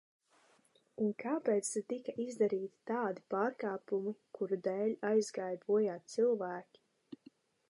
Un kāpēc tad tika izdarīti tādi pārkāpumi, kuru dēļ aizgāja bojā cilvēki?